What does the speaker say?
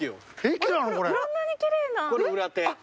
これ裏手。